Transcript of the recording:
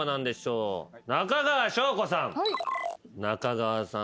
中川翔子さん。